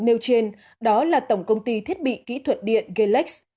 nêu trên đó là tổng công ty thiết bị kỹ thuật điện gellex